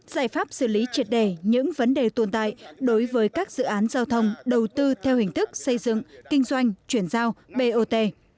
giải pháp xử lý triệt đề những vấn đề tồn tại đối với các dự án giao thông đầu tư theo hình thức xây dựng kinh doanh chuyển giao bot